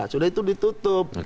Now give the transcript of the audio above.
sudah itu ditutup